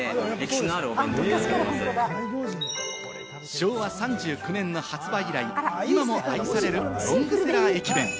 昭和３９年の発売以来、今も愛されるロングセラー駅弁。